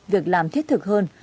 việc làm thiết thực hơn